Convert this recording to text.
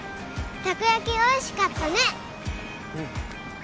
たこ焼きおいしかったねうん